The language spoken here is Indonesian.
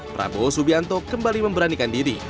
prabowo subianto kembali memberanikan diri